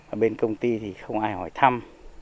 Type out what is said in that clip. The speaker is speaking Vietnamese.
ở bên công ty thì không ai hỏi thăm